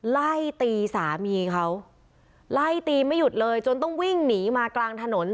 ไล่ตีสามีเขาไล่ตีไม่หยุดเลยจนต้องวิ่งหนีมากลางถนน